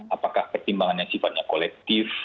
apakah pertimbangan yang sifatnya kolektif